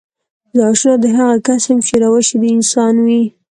زه اشنا د هغه کس يم چې روش يې د انسان وي.